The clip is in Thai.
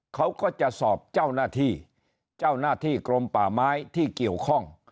เขาก็จะสอบเจ้าหน้าที่เจ้าหน้าที่กรมป่าไม้ที่เกี่ยวข้อง